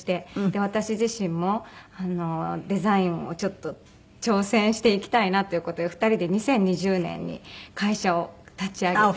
で私自身もデザインをちょっと挑戦していきたいなという事で２人で２０２０年に会社を立ち上げて。